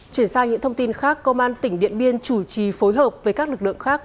chuyển sang những thông tin khác công an tỉnh điện biên chủ trì phối hợp với các lực lượng khác